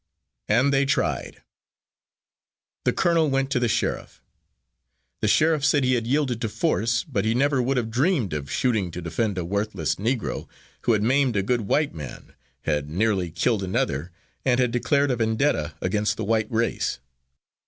And they tried. The colonel went to the sheriff. The sheriff said he had yielded to force, but he never would have dreamed of shooting to defend a worthless Negro who had maimed a good white man, had nearly killed another, and had declared a vendetta against the white race.